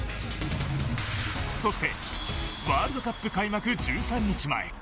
そしてワールドカップ開幕１３日前。